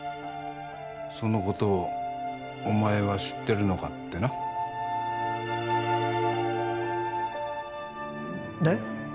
そのことをお前は知ってるのかってなで？